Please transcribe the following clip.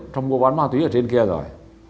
trong mua bán ma túy ở trên kia rồi